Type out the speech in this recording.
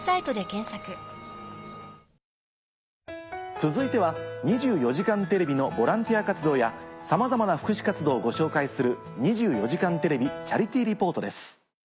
続いては『２４時間テレビ』のボランティア活動やさまざまな福祉活動をご紹介する。